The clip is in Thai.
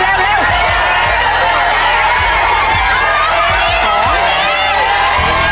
เล่งมือหน่อยมาล่ะน้ำจิ้ม